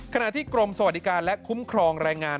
ขณะที่กรมสวัสดิการและคุ้มครองแรงงาน